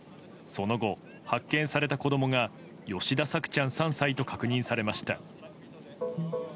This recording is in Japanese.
その後、発見された子供が吉田朔ちゃん、３歳と確認されました。